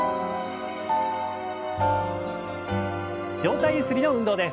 上体ゆすりの運動です。